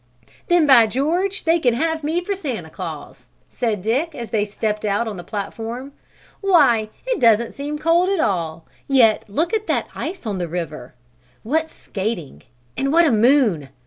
"Then, by George, they can have me for Santa Claus!" said Dick as they stepped out on the platform. "Why, it doesn't seem cold at all; yet look at the ice on the river! What skating, and what a moon!